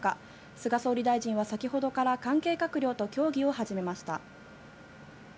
菅総理大臣は先ほどから関係閣僚と協議を始めました。